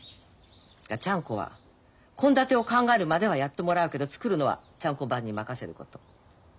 それからちゃんこは献立を考えるまではやってもらうけど作るのはちゃんこ番に任せること。